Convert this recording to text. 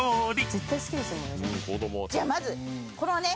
じゃあまずこのね。